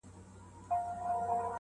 کله چي څوک شوم پلان تر سره کړي.